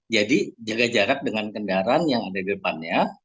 jadi jaga jarak dengan kendaraan yang ada di depannya